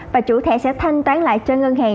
và chủ thẻ sẽ thanh toán lại cho ngân hàng